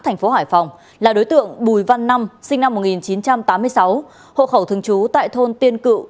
thành phố hải phòng là đối tượng bùi văn năm sinh năm một nghìn chín trăm tám mươi sáu hộ khẩu thường trú tại thôn tiên cựu